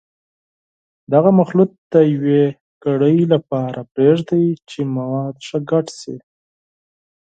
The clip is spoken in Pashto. دغه مخلوط د یوې ګړۍ لپاره پرېږدئ چې مواد ښه ګډ شي.